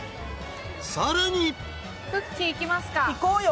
［さらに］いこうよ。